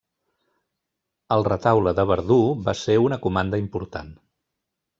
El retaule de Verdú va ser una comanda important.